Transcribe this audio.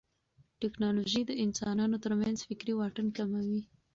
ټیکنالوژي د انسانانو ترمنځ فکري واټن کموي.